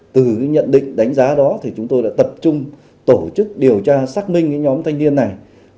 từ nhận định đánh giá đó chúng tôi đã tập trung tổ chức điều tra xác minh nhóm thanh niên này